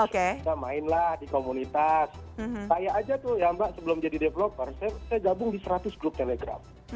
saya mainlah di komunitas saya aja tuh ya mbak sebelum jadi developer saya gabung di seratus grup telegram